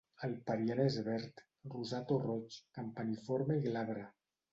El periant és verd, rosat o roig, campaniforme i glabre.